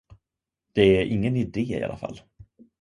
Det är ingen idé i alla fall.